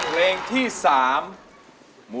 เพลงสาม